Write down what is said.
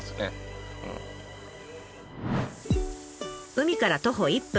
海から徒歩１分。